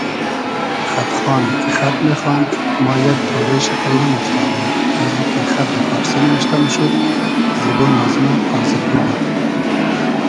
خئد خان کی خئد میخاند ما یئگ تۉرې شی پݷ نئمۉفتادوم ازی کی خئد دۂ فارسی نیمشتۂ موشود زیبۉن از مۉ آزرگی بود